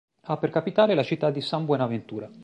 Ha per capitale la città di San Buenaventura.